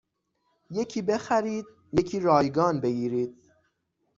یکی بخرید یکی رایگان بگیرید